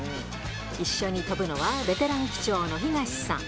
一緒に飛ぶのは、ベテラン機長の東さん。